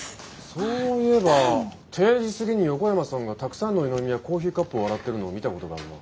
そういえば定時過ぎに横山さんがたくさんの湯飲みやコーヒーカップを洗ってるのを見たことがあるな。